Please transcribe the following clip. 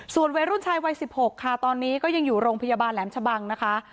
วัยรุ่นชายวัย๑๖ค่ะตอนนี้ก็ยังอยู่โรงพยาบาลแหลมชะบังนะคะ